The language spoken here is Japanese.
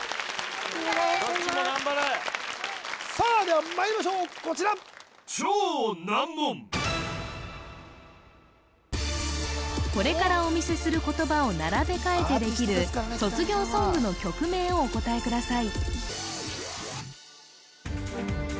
・どっちも頑張れさあではまいりましょうこちらこれからお見せする言葉を並べ替えてできる卒業ソングの曲名をお答えください